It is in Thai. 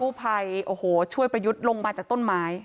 ผู้ภัยโอ้โหช่วยประยุทธ์ลงมาจากต้นไม้